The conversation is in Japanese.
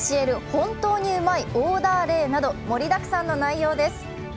本当にうまいオーダー例など盛りだくさんの内容です。